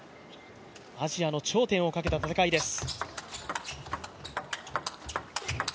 アジアの頂点をかけた戦いです。